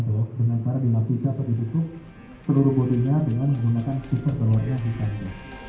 dengan cara dilapisi atau diutup seluruh bodinya dengan menggunakan stiker berwarna hitam